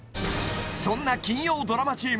そんな金曜ドラマチーム